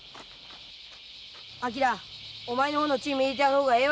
昭お前の方のチーム入れてやる方がええわらよ。